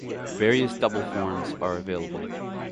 Various double forms are available.